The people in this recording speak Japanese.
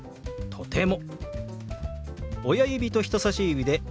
「とても」。